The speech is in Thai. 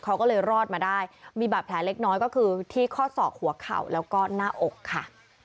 เขาก็เลยรอดมาได้มีบาดแผลเล็กน้อยก็คือที่ข้อศอกหัวเข่าแล้วก็หน้าอกค่ะ